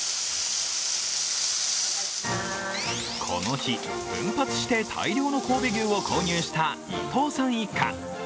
この日、奮発して大量の神戸牛を購入した伊藤さん一家。